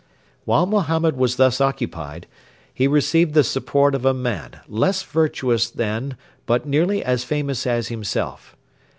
While Mohammed was thus occupied he received the support of a man, less virtuous than but nearly as famous as himself.